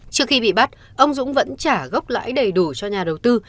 trước khi bị bắt ông dũng vẫn trả gốc lãi đầy đủ cho nhà đầu tư